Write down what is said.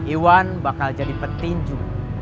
iwan bakal jadi petinju